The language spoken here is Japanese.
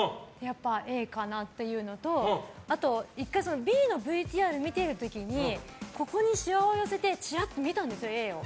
Ａかなっていうのとあと、ＢのＶＴＲを見ている時に眉間にしわを寄せてちらっと見たんですよ、Ａを。